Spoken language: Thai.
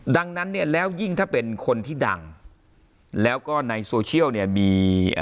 ดังนั้นเนี่ยแล้วยิ่งถ้าเป็นคนที่ดังแล้วก็ในโซเชียลเนี่ยมี